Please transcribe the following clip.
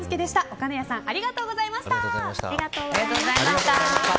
岡根谷さんありがとうございました。